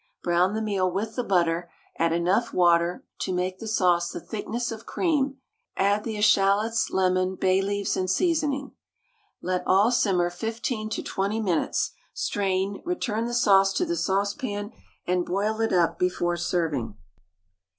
Brown the meal with the butter; add water enough to make the sauce the thickness of cream; add the eschalots, lemon, bay leaves, and seasoning. Let all simmer 15 to 20 minutes; strain, return the sauce to the saucepan, and boil it up before serving.